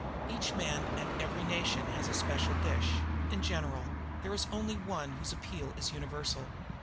Every man and every nation has a special dish, in general; there is only one whose appeal is universal.